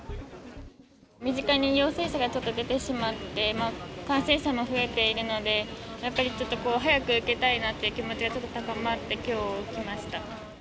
身近に陽性者がちょっと出てしまって、感染者も増えているので、やっぱりちょっと、早く受けたいなっていう気持ちがちょっと高まって、きょう来まし